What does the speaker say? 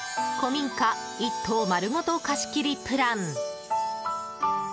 古民家、１棟丸ごと貸し切りプラン。